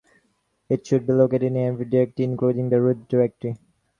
It should be located in every directory, including the root directory.